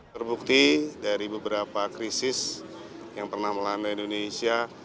terbukti dari beberapa krisis yang pernah melanda indonesia